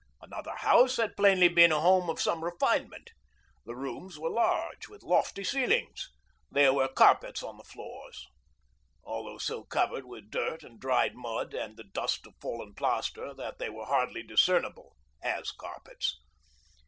Another house had plainly been a home of some refinement. The rooms were large, with lofty ceilings; there were carpets on the floors, although so covered with dirt and dried mud and the dust of fallen plaster that they were hardly discernible as carpets.